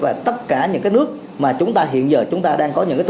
và tất cả những cái nước mà chúng ta